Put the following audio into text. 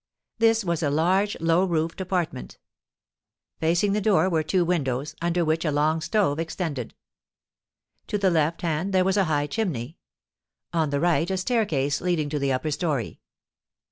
This was a large low roofed apartment. Facing the door were two windows, under which a long stove extended. To the left hand there was a high chimney; on the right a staircase leading to the upper story.